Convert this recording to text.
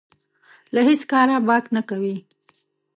له هېڅ کاره باک نه کوي.